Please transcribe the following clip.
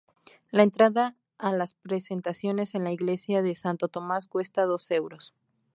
La entrada a las presentaciones en la Iglesia de Santo Tomás cuesta dos euros.